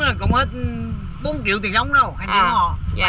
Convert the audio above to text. xuống cũng hết bốn triệu tiền giống rồi hàng triệu ngò